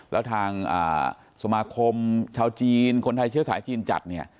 แล้วทางสมาคมชาวจีนคนไทยเชื้อสายจีนจัดเนี่ย